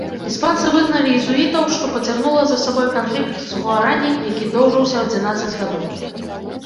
Іспанцы выгналі езуітаў, што пацягнула за сабой канфлікт з гуарані, які доўжыўся адзінаццаць гадоў.